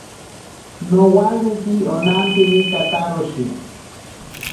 Nowaneki onampini kataroshi.